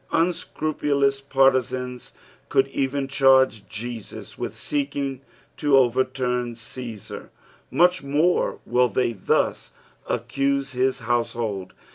Unacrupuloua partisans could even charge Jesus with seeking to over turn Cfesar, much more will they thus accuse his household.